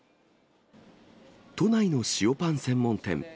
都内の塩パン専門店。